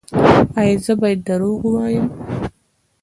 ایا زه باید دروغ ووایم؟